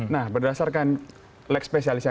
nah berdasarkan leg spesialisnya